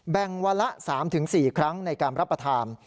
วันละ๓๔ครั้งในการรับประทาน